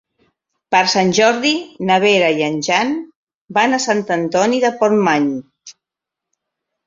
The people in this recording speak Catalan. Per Sant Jordi na Vera i en Jan van a Sant Antoni de Portmany.